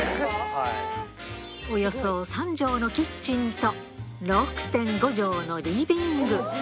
およそ３畳のキッチンと６．５畳のリビング。